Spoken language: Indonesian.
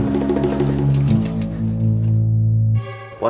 ada di kamar